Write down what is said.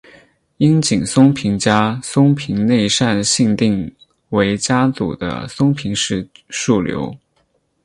樱井松平家松平内膳信定为家祖的松平氏庶流。